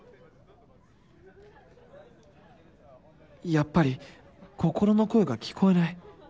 やっぱり心の声が聞こえない